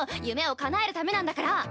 夢をかなえるためなんだから。